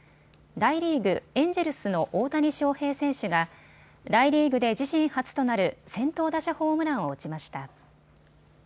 大リーグ、エンジェルスの大谷翔平選手が大リーグで自身初となる先頭打者ホームランを打ちました。